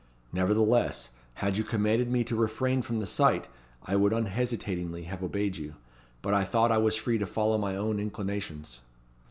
Nevertheless, had you commanded me to refrain from the sight, I would unhesitatingly have obeyed you. But I thought I was free to follow my own inclinations."